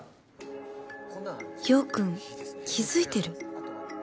陽君気づいてる？